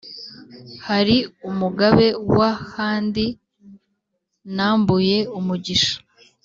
hari umugabe w'ahandi nambuye umugisha